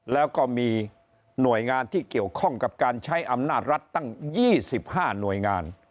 แล้วก็มีหน่วยงานที่เกี่ยวข้องกับการใช้อำนาจรัฐตั้ง๒๕หน่วยงาน